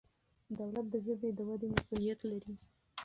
دولت د ژبې د ودې مسؤلیت لري.